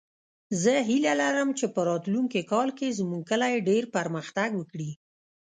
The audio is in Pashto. زه هیله لرم چې په راتلونکې کال کې زموږ کلی ډېر پرمختګ وکړي